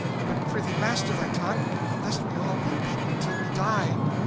But prithee master thy tongue, lest we be all beaten till we die!"